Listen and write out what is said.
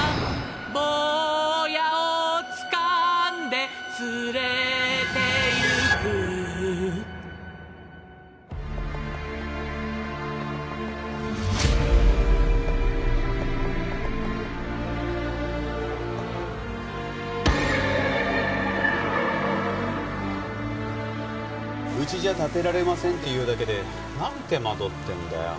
坊やをつかんで連れてゆく「うちじゃ建てられません」って言うだけで何手間取ってんだよ。